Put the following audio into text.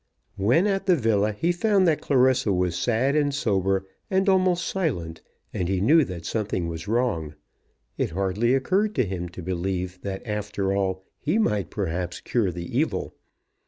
When at the villa he found that Clarissa was sad and sober, and almost silent; and he knew that something was wrong. It hardly occurred to him to believe that after all he might perhaps cure the evil.